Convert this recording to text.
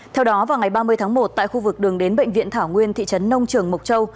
theo đó vào ngày ba mươi tháng một tại khu vực đường đến bệnh viện thảo nguyên thị trấn nông trường mộc châu